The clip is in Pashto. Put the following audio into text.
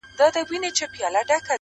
که ستا چيري اجازه وي محترمه,